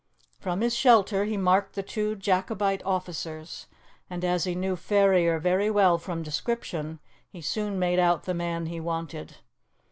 From his shelter he marked the two Jacobite officers, and, as he knew Ferrier very well from description, he soon made out the man he wanted.